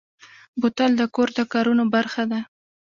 بوتل د کور د کارونو برخه ده.